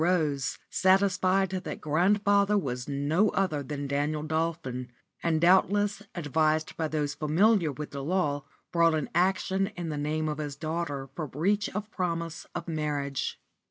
Rose, satisfied that grandfather was no other than Daniel Dolphin, and doubtless advised by those familiar with the law, brought an action in the name of his daughter for breach of promise of marriage.